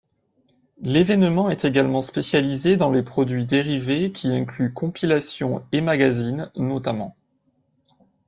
L'événement est également spécialisé dans les produits dérivés qui incluent compilations et magazines, notamment.